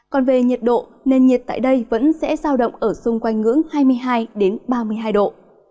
còn về nhiệt độ nền nhiệt tại đây vẫn sẽ giao động ở xung quanh ngưỡng hai mươi hai ba mươi hai độ